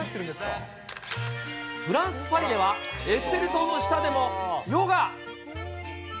フランス・パリでは、エッフェル塔の下でもヨガ。